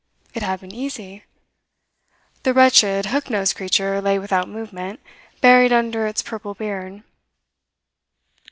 It had been easy. The wretched, hook nosed creature lay without movement, buried under its purple beard.